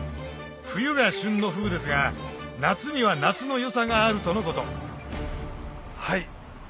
冬が旬のフグですが夏には夏の良さがあるとのことはい！